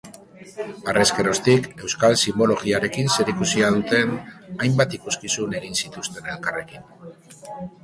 Harrezkeroztik, euskal sinbologiarekin zerikusia duten hainbat ikuskizun egin zituzten elkarrekin.